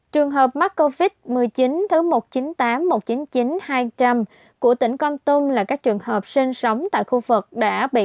trường hợp mắc covid một mươi chín thứ một trăm chín mươi tám một trăm chín mươi chín hai trăm linh của tỉnh con tum là các trường hợp sinh sống tại khu vực đã bị bệnh